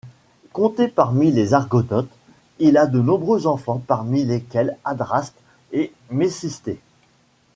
Compté parmi les Argonautes, il a de nombreux enfants parmi lesquels Adraste et Mécistée.